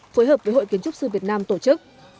phối hợp với hội kiến trúc sư việt nam tổ chức